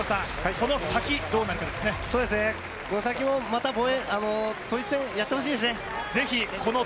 この先も統一戦やってほしいですね。